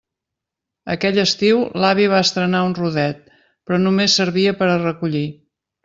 Aquell estiu l'avi va estrenar un rodet, però només servia per a recollir.